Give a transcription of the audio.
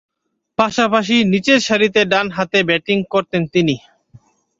পাশাপাশি নিচেরসারিতে ডানহাতে ব্যাটিং করতেন তিনি।